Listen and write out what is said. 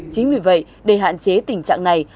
chính vì vậy để hạn chế tình trạng này